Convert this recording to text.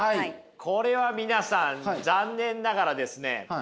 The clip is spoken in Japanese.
これは皆さん残念ながらですね